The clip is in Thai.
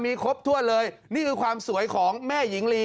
มีครบถ้วนเลยนี่คือความสวยของแม่หญิงลี